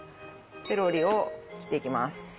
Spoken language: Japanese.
セロリを切っていきます。